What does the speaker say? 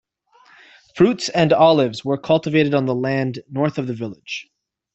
Fruits and olives were cultivated on the land north of the village.